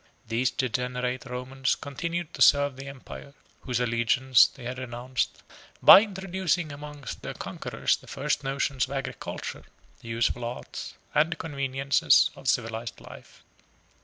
23 These degenerate Romans continued to serve the empire, whose allegiance they had renounced, by introducing among their conquerors the first notions of agriculture, the useful arts, and the conveniences of civilized life.